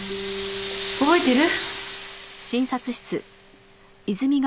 覚えてる？